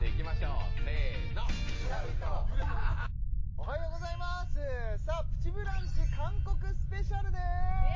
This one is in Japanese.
おはようございますさあ「プチブランチ」韓国スペシャルです